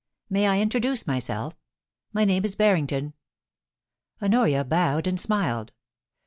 May I introduce myself? My name is Banington.* Honoria bowed and smiled.